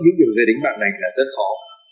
những điều dây đính mạng này là rất khó